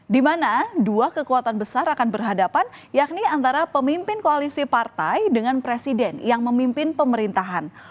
di mana dua kekuatan besar akan berhadapan yakni antara pemimpin koalisi partai dengan presiden yang memimpin pemerintahan